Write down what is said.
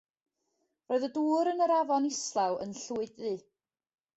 Roedd y dŵr yn yr afon islaw yn llwyd-ddu.